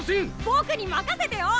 ボクに任せてよ。